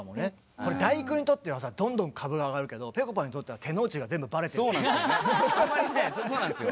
これ「第９」にとってはさどんどん株が上がるけどぺこぱにとってはそうなんですよねそうなんですよ。